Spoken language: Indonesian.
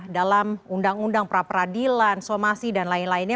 dalam undang undang pra peradilan somasi dan lain lainnya